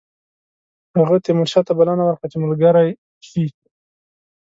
هغه تیمورشاه ته بلنه ورکړه چې ملګری شي.